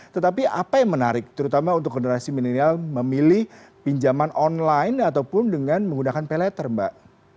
tetapi apa yang menarik terutama untuk generasi milenial memilih pinjaman online ataupun dengan menggunakan pay letter mbak